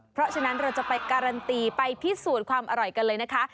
เพราะฉะนั้นเราจะไปการันตีไปพิสูจน์ความอร่อยกันเลยนะคะ